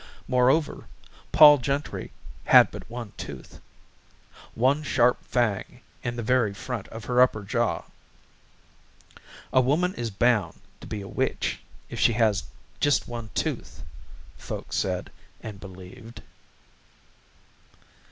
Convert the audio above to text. Moreover, Pol Gentry had but one tooth. One sharp fang in the very front of her upper jaw. "A woman is bound to be a witch if she has just one tooth," folks said and believed.